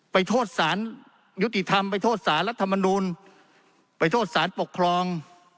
ไปโทษสารยุติธรรมไปโทษสารรัฐมนูลไปโทษสารปกครอง